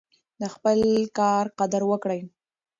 د خپل کار قدر وکړئ.